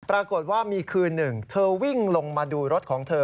ปรากฏว่ามีคืนหนึ่งเธอวิ่งลงมาดูรถของเธอ